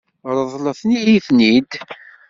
Ṛeḍlet-iyi-ten-id.